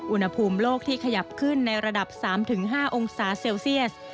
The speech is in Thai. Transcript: อุณหภูมิโลกที่ขยับขึ้นในระดับ๓๕องศาเซลเซียส